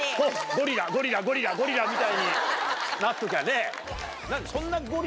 ゴリラゴリラゴリラゴリラみたいになっときゃね。